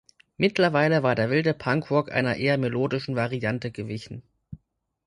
Mittlerweile war der wilde Punkrock einer eher melodischen Variante gewichen.